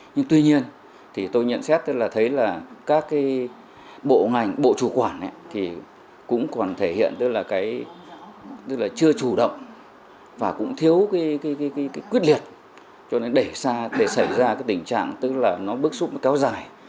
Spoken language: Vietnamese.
nhưng tuy nhiên thì tôi nhận xét là thấy là các bộ ngành bộ chủ quản thì cũng còn thể hiện tức là chưa chủ động và cũng thiếu quyết liệt cho nên để xảy ra tình trạng tức là nó bức xúc kéo dài